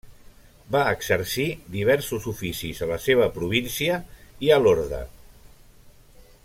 Va exercir diversos oficis a la seva província i a l'orde.